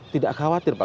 tidak khawatir pak